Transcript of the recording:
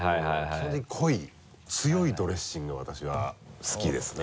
基本的に濃い強いドレッシングが私は好きですね。